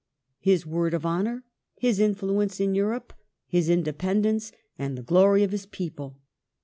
His word of honor, his influence in Europe, his indepen dence, and the glory of his people.